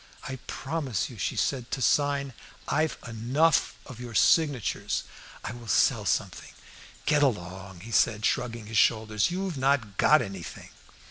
"I promise you," she said, "to sign " "I've enough of your signatures." "I will sell something." "Get along!" he said, shrugging his shoulders; "you've not got anything."